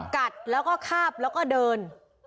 กัดและข้าบและก็เดิน